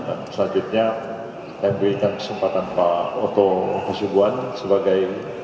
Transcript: dan selanjutnya kami berikan kesempatan pak otto hasubuan sebagai